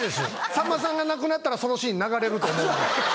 さんまさんが亡くなったらそのシーン流れると思うんで。